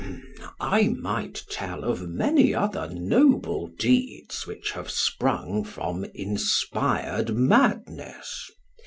I might tell of many other noble deeds which have sprung from inspired madness.